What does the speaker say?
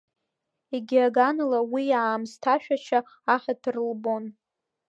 Егьи аганала, уи иаамсҭашәашьа аҳаҭыр лбон.